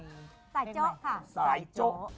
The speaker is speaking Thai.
สายเจ้าค่ะสายเจ้า